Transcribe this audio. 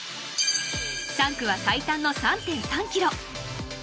３区は最短の３．３キロ。